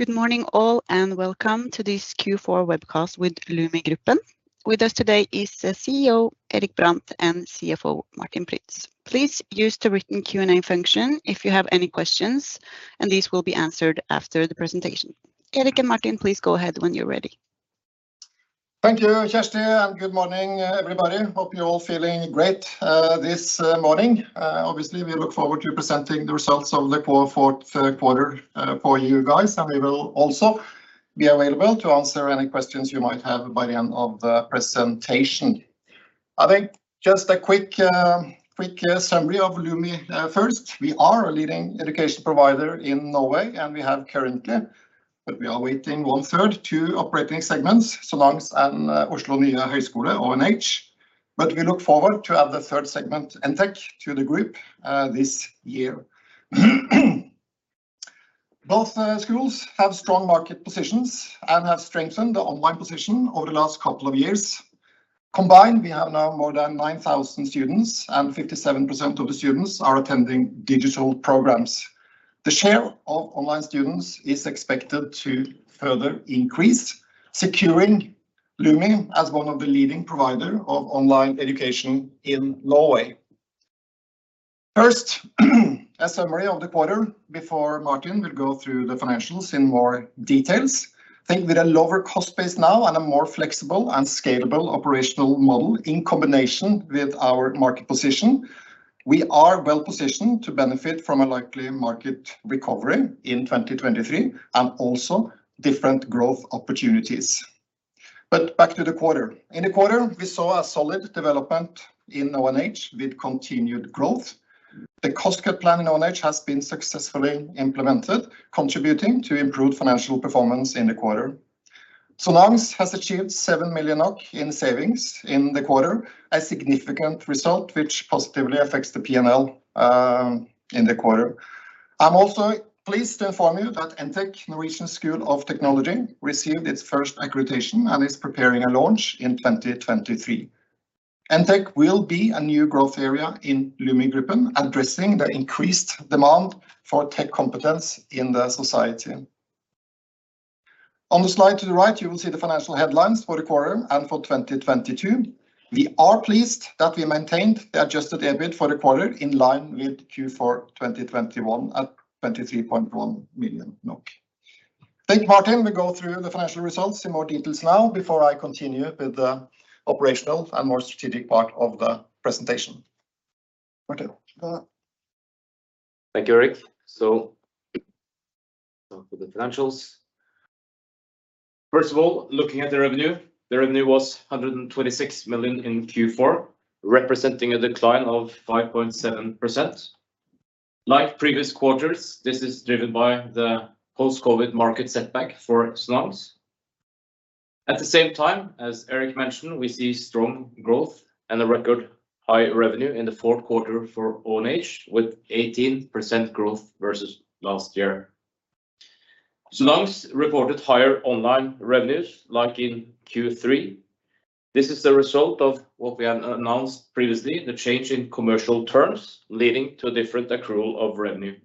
Good morning all and welcome to this Q4 Webcast with Lumi Gruppen. With us today is CEO Erik Brandt and CFO Martin Prytz. Please use the written Q&A function if you have any questions, and these will be answered after the presentation. Erik and Martin, please go ahead when you're ready. Thank you, Kirsty. Good morning, everybody. Hope you're all feeling great this morning. Obviously, we look forward to presenting the results of the poor Q4 for you guys. We will also be available to answer any questions you might have by the end of the presentation. I think just a quick summary of Lumi first. We are a leading education provider in Norway. We have currently, but we are waiting 1/3, two operating segments, Sonans and Oslo Nye Høyskole, ONH. We look forward to add the third segment, NTech, to the group this year. Both schools have strong market positions and have strengthened the online position over the last couple of years. Combined, we have now more than 9,000 students. 57% of the students are attending digital programs. The share of online students is expected to further increase, securing Lumi as one of the leading provider of online education in Norway. First, a summary of the quarter before Martin will go through the financials in more details. With a lower cost base now and a more flexible and scalable operational model in combination with our market position, we are well positioned to benefit from a likely market recovery in 2023 and also different growth opportunities. Back to the quarter. In the quarter, we saw a solid development in ONH with continued growth. The cost cut plan in ONH has been successfully implemented, contributing to improved financial performance in the quarter. Sonans has achieved 7 million NOK in savings in the quarter, a significant result which positively affects the P&L in the quarter. I'm also pleased to inform you that NTech, Norwegian School of Technology, received its first accreditation and is preparing a launch in 2023. NTech will be a new growth area in Lumi Gruppen, addressing the increased demand for tech competence in the society. On the slide to the right, you will see the financial headlines for the quarter and for 2022. We are pleased that we maintained the Adjusted EBIT for the quarter in line with Q4 2021 at 23.1 million. Think Martin will go through the financial results in more details now before I continue with the operational and more strategic part of the presentation. Martin. Thank you, Erik. For the financials, first of all, looking at the revenue. The revenue was 126 million in Q4, representing a decline of 5.7%. Like previous quarters, this is driven by the post-COVID market setback for Sonans. At the same time, as Erik mentioned, we see strong growth and a record high revenue in the Q4 for ONH with 18% growth versus last year. Sonans reported higher online revenues like in Q3. This is the result of what we had announced previously, the change in commercial terms leading to a different accrual of revenue.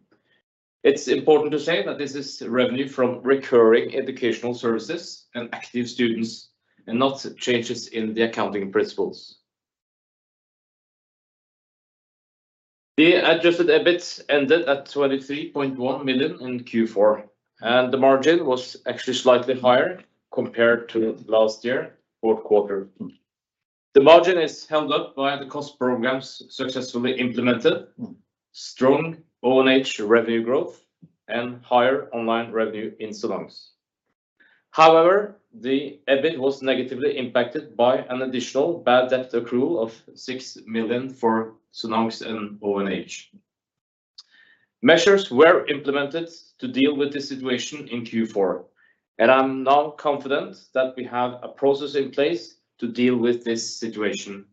It's important to say that this is revenue from recurring educational services and active students and not changes in the accounting principles. The Adjusted EBIT ended at 23.1 million in Q4, and the margin was actually slightly higher compared to last year, Q4. The margin is held up by the cost programs successfully implemented, strong ONH revenue growth, and higher online revenue in Sonans. However, the EBIT was negatively impacted by an additional bad debt accrual of 6 million for Sonans and ONH. Measures were implemented to deal with the situation in Q4. I'm now confident that we have a process in place to deal with this situation.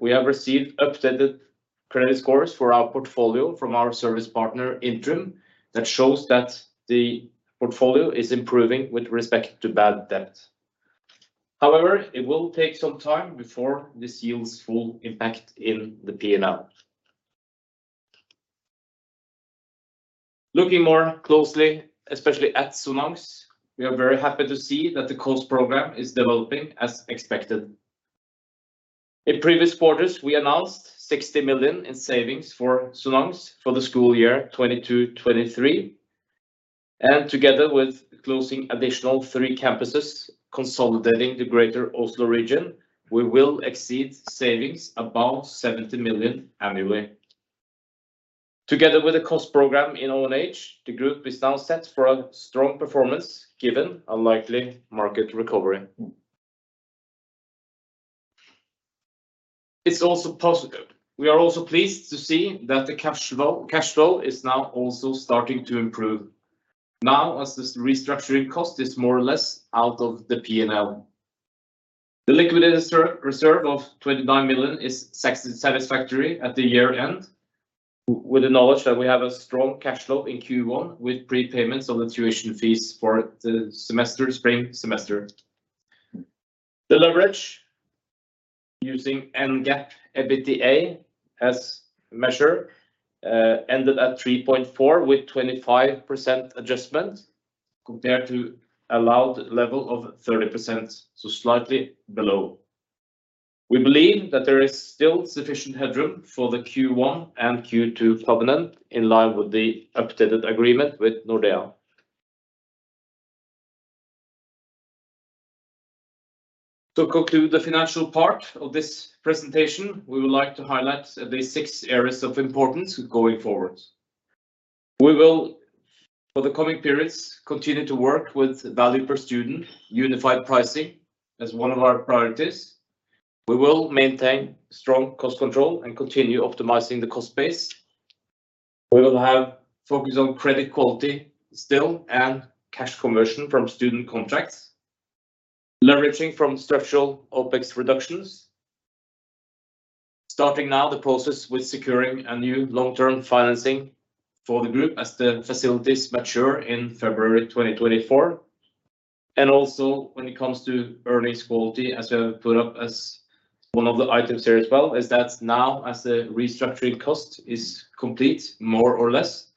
We have received updated credit scores for our portfolio from our service partner, Intrum, that shows that the portfolio is improving with respect to bad debt. However, it will take some time before this yields full impact in the P&L. Looking more closely, especially at Sonans, we are very happy to see that the cost program is developing as expected. In previous quarters, we announced 60 million in savings for Sonans for the school year 22/23. Together with closing additional three campuses, consolidating the greater Oslo region, we will exceed savings above 70 million annually. Together with the cost program in ONH, the group is now set for a strong performance given a likely market recovery. It's also positive. We are also pleased to see that the cash flow is now also starting to improve now as this restructuring cost is more or less out of the P&L. The liquid reserve of 29 million is satisfactory at the year-end with the knowledge that we have a strong cash flow in Q1 with prepayments on the tuition fees for the semester, spring semester. The leverage using NGAAP EBITDA as measure, ended at 3.4 with 25% adjustment compared to allowed level of 30%, so slightly below. We believe that there is still sufficient headroom for the Q1 and Q2 covenant in line with the updated agreement with Nordea. To conclude the financial part of this presentation, we would like to highlight the six areas of importance going forward. We will for the coming periods continue to work with value per student, unified pricing as one of our priorities. We will maintain strong cost control and continue optimizing the cost base. We will have focus on credit quality still and cash conversion from student contracts. Leveraging from structural OpEx reductions. Starting now the process with securing a new long-term financing for the group as the facilities mature in February 2024. Also when it comes to earnings quality, as we have put up as one of the items here as well, is that now as the restructuring cost is complete, more or less,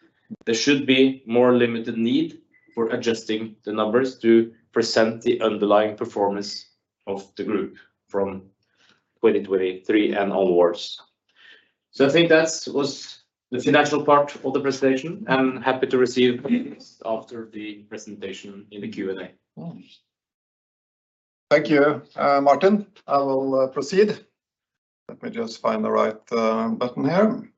there should be more limited need for adjusting the numbers to present the underlying performance of the group from 2023 and onwards. I think that was the financial part of the presentation, and happy to receive questions after the presentation in the Q&A. Thank you, Martin. I will proceed. Let me just find the right button here.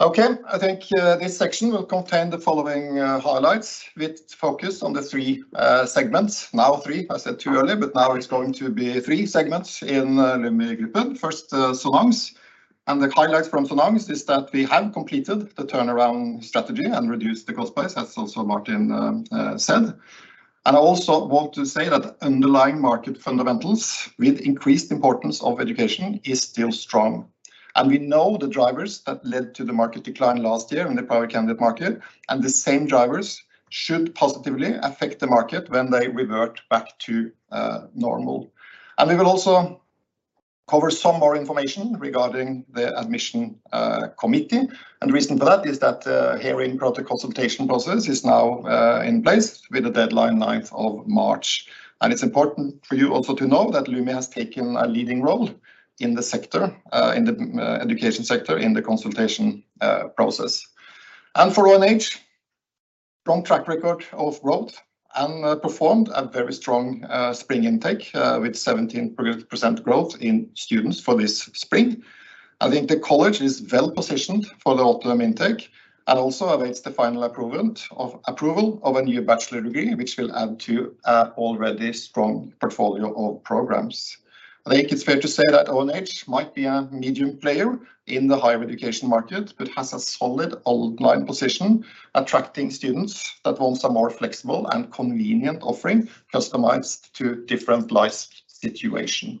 Okay, I think this section will contain the following highlights with focus on the three segments. Three, I said two earlier, but now it's going to be three segments in Lumi Gruppen. First, Sonans, and the highlights from Sonans is that we have completed the turnaround strategy and reduced the cost base, as also Martin said. I also want to say that underlying market fundamentals with increased importance of education is still strong. We know the drivers that led to the market decline last year in the private candidate market, and the same drivers should positively affect the market when they revert back to normal. We will also cover some more information regarding the Admission Committee. The reason for that is that, hearing product consultation process is now in place with the deadline 9th of March. It's important for you also to know that Lumi has taken a leading role in the sector, in the education sector, in the consultation process. For ONH, strong track record of growth and performed a very strong spring intake, with 17% growth in students for this spring. I think the college is well-positioned for the autumn intake and also awaits the final approval of a new bachelor degree, which will add to already strong portfolio of programs. I think it's fair to say that ONH might be a medium player in the higher education market, but has a solid online position, attracting students that wants a more flexible and convenient offering customized to different life situation.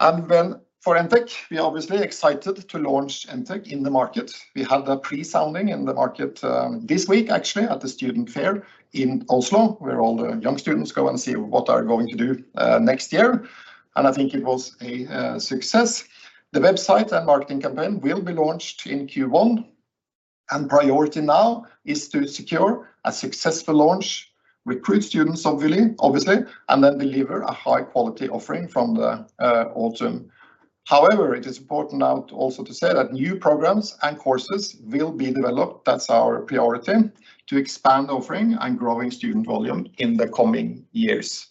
For NTech, we are obviously excited to launch NTech in the market. We had a pre-sounding in the market, this week actually at the student fair in Oslo, where all the young students go and see what they're going to do next year, and I think it was a success. The website and marketing campaign will be launched in Q1, and priority now is to secure a successful launch, recruit students obviously, and then deliver a high-quality offering from the autumn. However, it is important now also to say that new programs and courses will be developed, that's our priority, to expand offering and growing student volume in the coming years.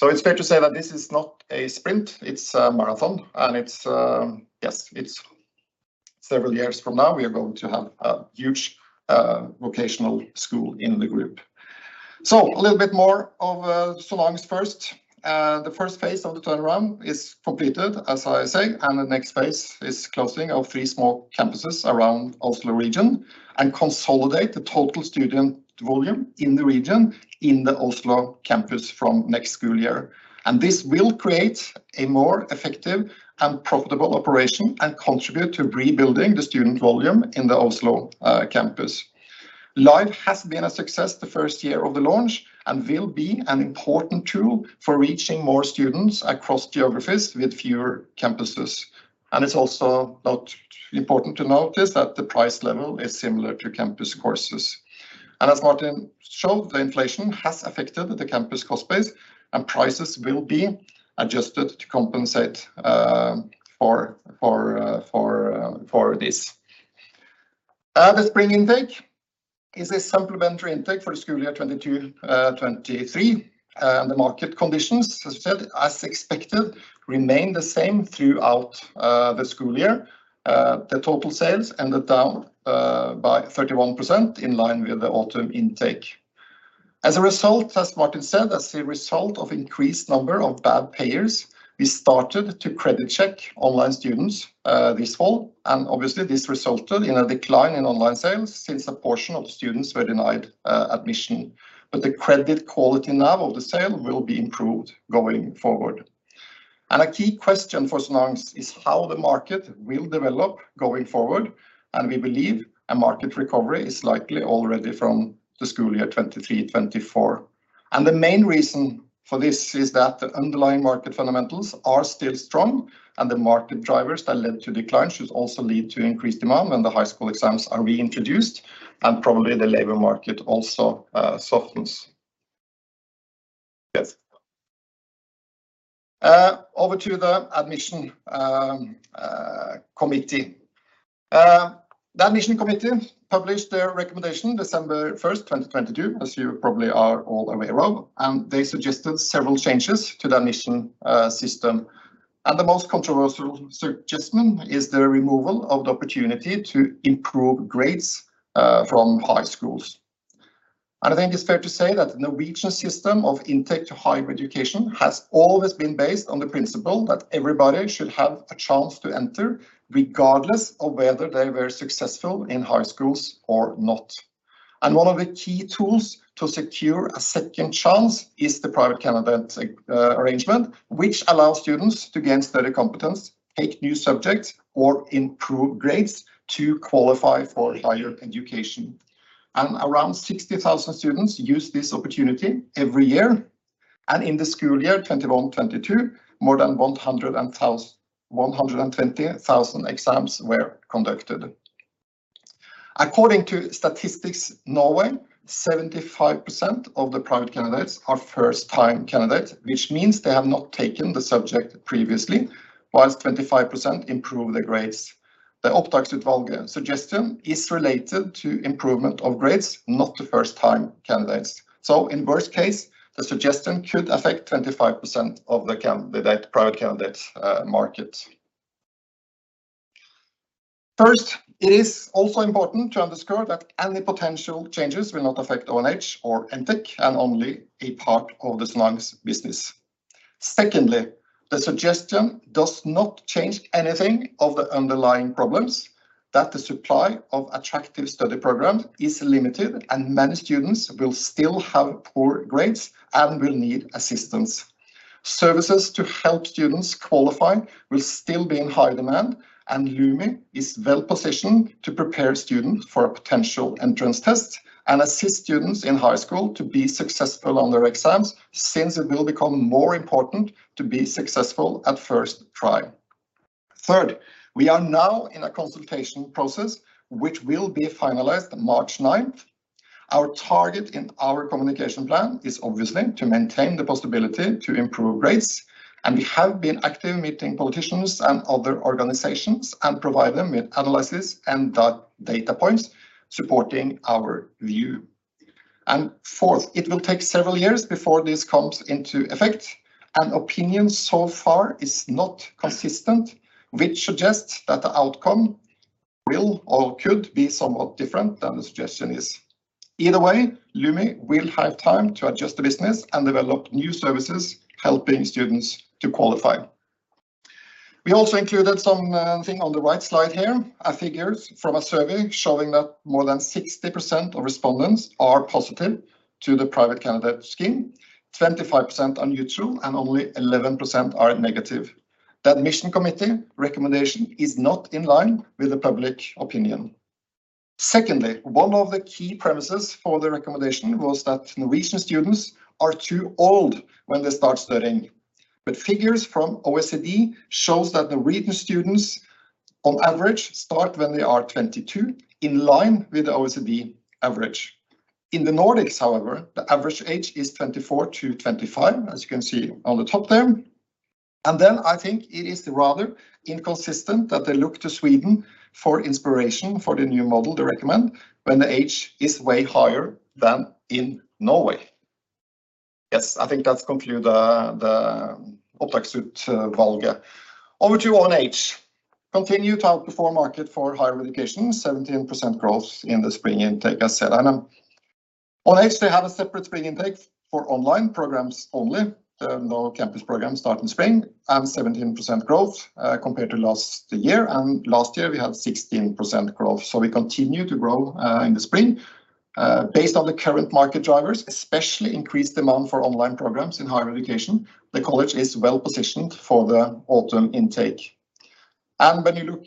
It's fair to say that this is not a sprint, it's a marathon, and it's, yes, it's several years from now, we are going to have a huge vocational school in the group. A little bit more of Sonans first. The first phase of the turnaround is completed, as I say, and the next phase is closing of three small campuses around Oslo region and consolidate the total student volume in the region in the Oslo campus from next school year. This will create a more effective and profitable operation and contribute to rebuilding the student volume in the Oslo campus. Live has been a success the first year of the launch and will be an important tool for reaching more students across geographies with fewer campuses. It's also not important to notice that the price level is similar to campus courses. As Martin showed, the inflation has affected the campus cost base, and prices will be adjusted to compensate for this. The spring intake is a supplementary intake for school year 2022, 2023. The market conditions, as said, as expected, remained the same throughout the school year. The total sales ended down by 31% in line with the autumn intake. As a result, as Martin said, as a result of increased number of bad payers, we started to credit check online students this fall. Obviously, this resulted in a decline in online sales since a portion of students were denied admission. The credit quality now of the sale will be improved going forward. A key question for Sonans is how the market will develop going forward, and we believe a market recovery is likely already from the school year 2023/2024. The main reason for this is that the underlying market fundamentals are still strong, and the market drivers that led to decline should also lead to increased demand when the high school exams are reintroduced, and probably the labor market also softens. Over to the Admission Committee. The Admission Committee published their recommendation December 1st, 2022, as you probably are all aware of, and they suggested several changes to the admission system. The most controversial suggestion is the removal of the opportunity to improve grades from high schools. I think it's fair to say that the Norwegian system of intake to higher education has always been based on the principle that everybody should have a chance to enter, regardless of whether they were successful in high schools or not. One of the key tools to secure a second chance is the private candidate arrangement, which allows students to gain study competence, take new subjects, or improve grades to qualify for higher education. Around 60,000 students use this opportunity every year. In the school year 2021/2022, more than 120,000 exams were conducted. According to Statistics Norway, 75% of the private candidates are first-time candidates, which means they have not taken the subject previously, while 25% improve their grades. The Opptakskomiteen suggestion is related to improvement of grades, not the first time candidates. In worst case, the suggestion could affect 25% of the private candidates market. First, it is also important to underscore that any potential changes will not affect ONH or NTech, and only a part of the Sonans' business. Secondly, the suggestion does not change anything of the underlying problems, that the supply of attractive study program is limited, and many students will still have poor grades and will need assistance. Services to help students qualify will still be in high demand, and Lumi is well positioned to prepare students for a potential entrance test and assist students in high school to be successful on their exams, since it will become more important to be successful at first try. Third, we are now in a consultation process which will be finalized March 9th. Our target in our communication plan is obviously to maintain the possibility to improve grades. We have been active meeting politicians and other organizations and provide them with analysis and data points supporting our view. Fourth, it will take several years before this comes into effect, and opinion so far is not consistent, which suggests that the outcome will or could be somewhat different than the suggestion is. Either way, Lumi will have time to adjust the business and develop new services helping students to qualify. We also included something on the right slide here, figures from a survey showing that more than 60% of respondents are positive to the private candidate scheme, 25% are neutral, and only 11% are negative. The Admission Committee recommendation is not in line with the public opinion. Secondly, one of the key premises for the recommendation was that Norwegian students are too old when they start studying. Figures from OECD shows that Norwegian students, on average, start when they are 22, in line with the OECD average. In the Nordics, however, the average age is 24 to 25, as you can see on the top there. I think it is rather inconsistent that they look to Sweden for inspiration for the new model they recommend when the age is way higher than in Norway. Yes, I think that conclude the Opptaksutvalget. Over to ONH. Continue to outperform market for higher education, 17% growth in the spring intake, as said. ONH, they have a separate spring intake for online programs only. No campus programs start in spring, and 17% growth compared to last year. Last year, we had 16% growth. We continue to grow in the spring. Based on the current market drivers, especially increased demand for online programs in higher education, the college is well-positioned for the autumn intake. When you look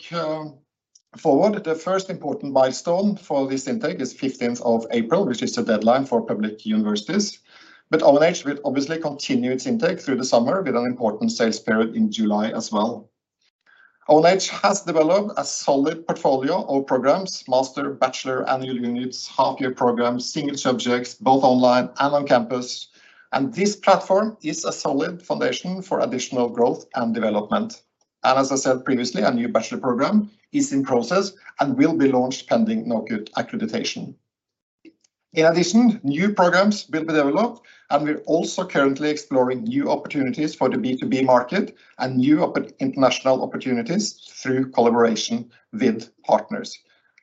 forward, the first important milestone for this intake is 15th of April, which is the deadline for public universities. ONH will obviously continue its intake through the summer with an important sales period in July as well. ONH has developed a solid portfolio of programs, master, bachelor, annual units, half-year programs, single subjects, both online and on campus. This platform is a solid foundation for additional growth and development. As I said previously, a new bachelor program is in process and will be launched pending NOKUT accreditation. In addition, new programs will be developed, and we're also currently exploring new opportunities for the B2B market and new international opportunities through collaboration with partners.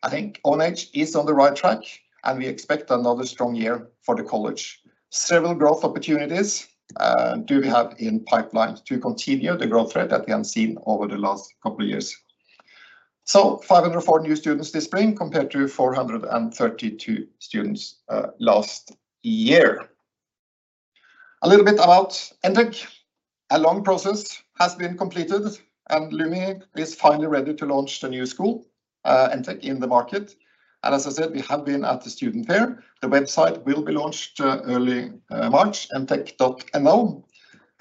I think ONH is on the right track, and we expect another strong year for the college. Several growth opportunities do we have in pipeline to continue the growth rate that we have seen over the last couple of years. 504 new students this spring, compared to 432 students last year. A little bit about NTech. A long process has been completed, and Lumi Gruppen is finally ready to launch the new school and take in the market. As I said, we have been at the student fair. The website will be launched early March, ntech.no.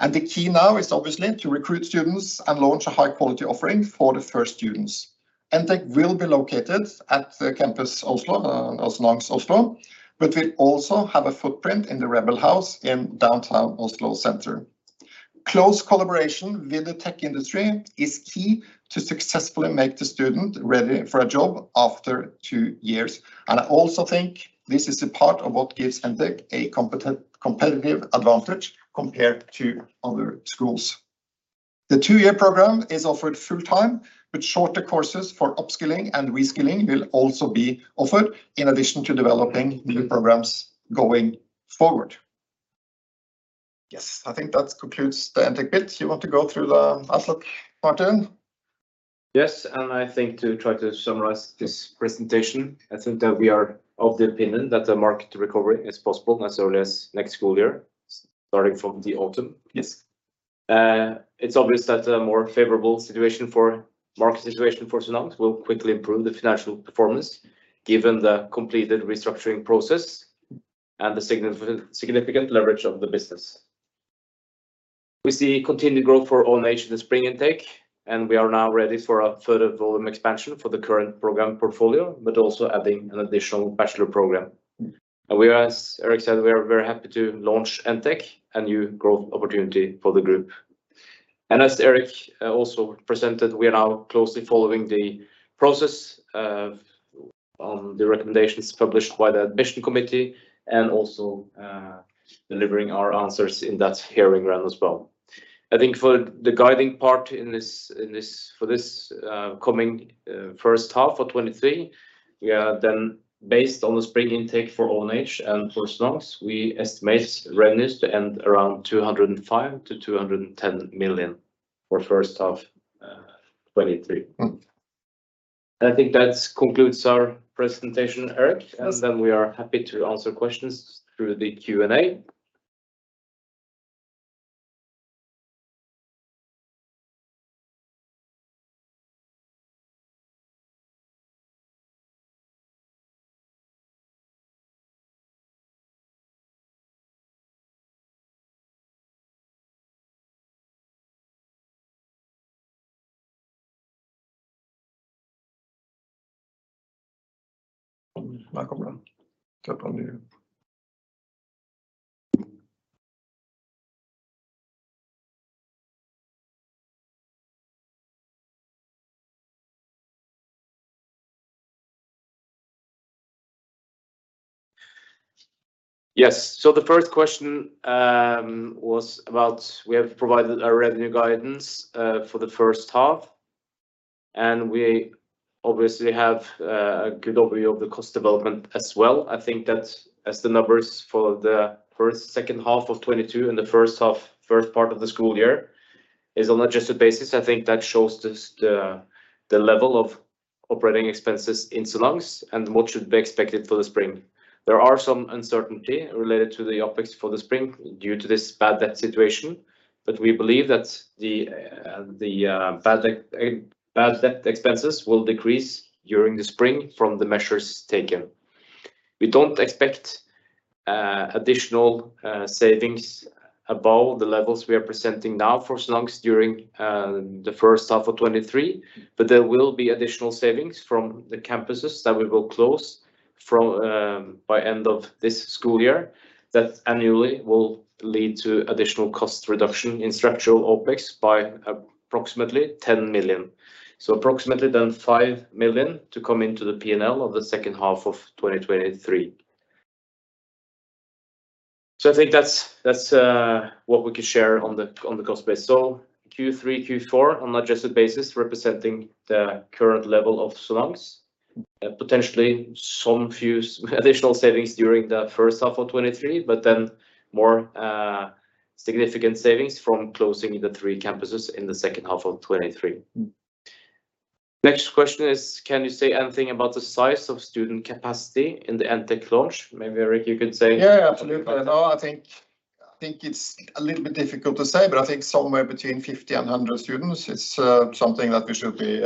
The key now is obviously to recruit students and launch a high quality offering for the first students. NTech will be located at the campus Oslo, but we also have a footprint in the Rebel House in downtown Oslo Center. Close collaboration with the tech industry is key to successfully make the student ready for a job after two years. I also think this is a part of what gives NTech a competent, competitive advantage compared to other schools. The two-year program is offered full-time, but shorter courses for upskilling and reskilling will also be offered in addition to developing new programs going forward. Yes, I think that concludes the NTech bit. You want to go through the [ask] Martin? Yes, I think to try to summarize this presentation, I think that we are of the opinion that the market recovery is possible as early as next school year, starting from the autumn. Yes. It's obvious that a more favorable situation for market situation for Sonans will quickly improve the financial performance given the completed restructuring process and the significant leverage of the business. We see continued growth for all nations spring intake. We are now ready for a further volume expansion for the current program portfolio, but also adding an additional bachelor program. We are, as Erik said, we are very happy to launch NTech, a new growth opportunity for the group. As Erik also presented, we are now closely following the process of, on the recommendations published by the Admission Committee and also delivering our answers in that hearing round as well. I think for the guiding part for this coming H1 of 2023, yeah, based on the spring intake for ONH and for Sonans, we estimate revenues to end around 205 million to 210 million for H1 2023. I think that concludes our presentation, Erik. Yes. We are happy to answer questions through the Q&A. The first question was about we have provided a revenue guidance for the H1, and we obviously have a good overview of the cost development as well. I think that as the numbers for the H2 of 2022 and the first part of the school year is on adjusted basis, I think that shows just the level of operating expenses in Sonans and what should be expected for the spring. There are some uncertainty related to the optics for the spring due to this bad debt situation, but we believe that the bad debt expenses will decrease during the spring from the measures taken. We don't expect additional savings above the levels we are presenting now for Sonans during the H1 of 2023. There will be additional savings from the campuses that we will close from by end of this school year that annually will lead to additional cost reduction in structural OpEx by approximately 10 million. Approximately 5 million to come into the P&L of the H2 of 2023. I think that's what we could share on the, on the cost base. Q3, Q4 on adjusted basis representing the current level of Sonans, potentially some few additional savings during the H1 of 2023. More significant savings from closing the three campuses in the H2 of 2023. Next question is, can you say anything about the size of student capacity in the NTech launch? Maybe, Erik, you could say. Yeah, absolutely. I think, I think it's a little bit difficult to say, but I think somewhere between 50 and 100 students, it's something that we should be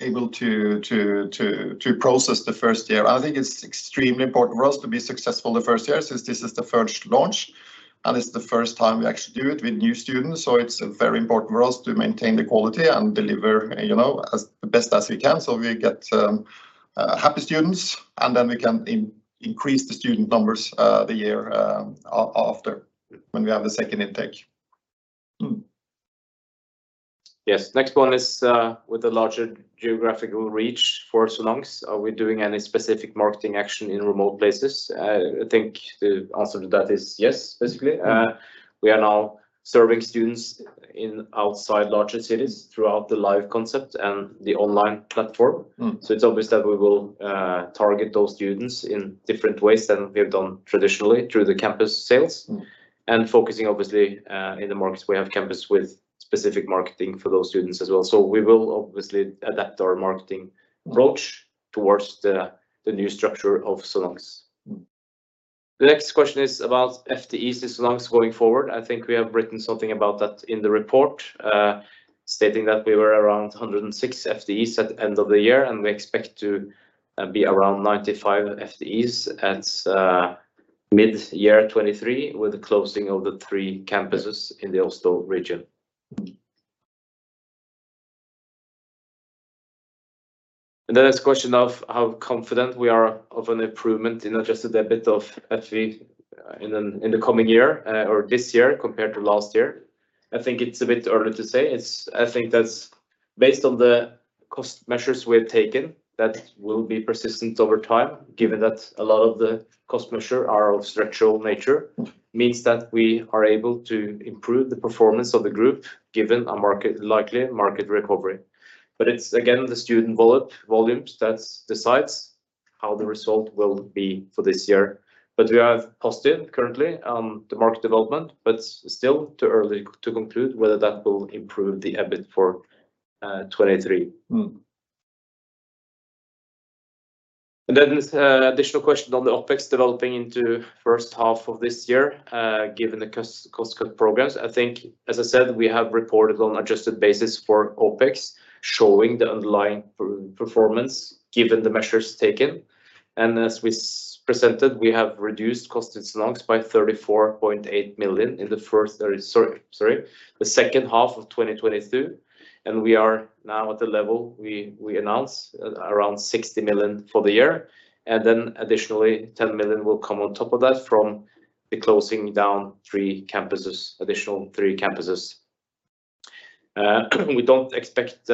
able to process the first year. I think it's extremely important for us to be successful the first year, since this is the first launch, and it's the first time we actually do it with new students. It's very important for us to maintain the quality and deliver, you know, as best as we can, so we get happy students, and then we can increase the student numbers the year after when we have the second intake. Yes. Next one is with the larger geographical reach for Sonans. Are we doing any specific marketing action in remote places? I think the answer to that is yes, basically. We are now serving students in outside larger cities throughout the Live concept and the online platform. It's obvious that we will target those students in different ways than we have done traditionally through the campus sales. Focusing obviously in the markets, we have campus with specific marketing for those students as well. We will obviously adapt our marketing approach towards the new structure of Sonans. The next question is about FTEs in Sonans going forward. I think we have written something about that in the report, stating that we were around 106 FTEs at the end of the year, and we expect to be around 95 FTEs at midyear 2023 with the closing of the three campuses in the Oslo region. Then there's the question of how confident we are of an improvement in Adjusted EBIT of FTEs in the coming year or this year compared to last year. I think it's a bit early to say. I think that's. Based on the cost measures we have taken, that will be persistent over time given that a lot of the cost measures are of structural nature, means that we are able to improve the performance of the group given a market, likely market recovery. It's, again, the student volumes that decides how the result will be for this year. We are positive currently on the market development, but still too early to conclude whether that will improve the EBIT for 2023. Additional question on the OpEx developing into H1 of this year, given the cost cut programs. I think, as I said, we have reported on adjusted basis for OpEx, showing the underlying performance given the measures taken. As we presented, we have reduced cost in Sonans by 34.8 million in the first, or the H2 of 2022, and we are now at the level we announced, around 60 million for the year. Additionally, 10 million will come on top of that from the closing down three campuses, additional three campuses. We don't expect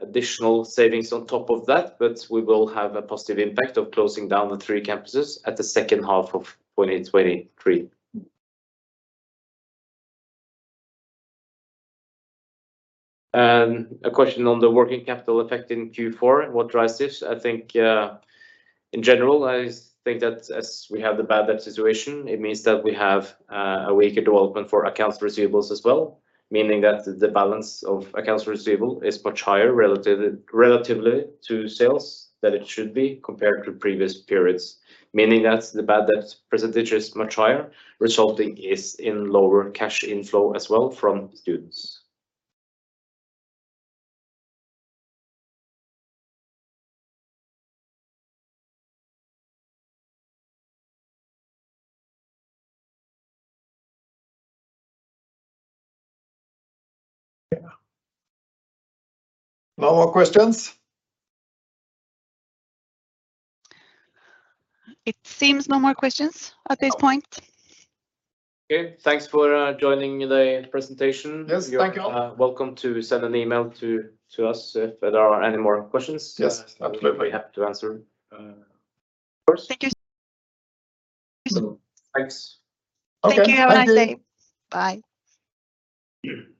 additional savings on top of that, but we will have a positive impact of closing down the three campuses at the H2 of 2023. A question on the working capital effect in Q4 and what drives this. I think, in general, I think that as we have the bad debt situation, it means that we have a weaker development for accounts receivables as well, meaning that the balance of accounts receivable is much higher relatively to sales than it should be compared to previous periods, meaning that the bad debts percentage is much higher, resulting in lower cash inflow as well from students. No more questions? It seems no more questions at this point. No. Okay. Thanks for joining the presentation. Yes, thank you all. You are welcome to send an email to us if there are any more questions. Yes, absolutely. We're happy to answer, of course. Thank you. Thanks. Thank you. Okay. Have a nice day. Bye. Thank you.